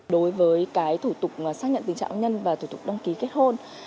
đối với cái thủ tục xác nhận tình trạng nhân và thủ tục đăng ký kết hôn